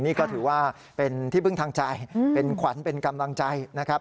นี่ก็ถือว่าเป็นที่พึ่งทางใจเป็นขวัญเป็นกำลังใจนะครับ